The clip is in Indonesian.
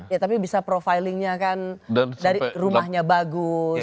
ya tapi bisa profilingnya kan dari rumahnya bagus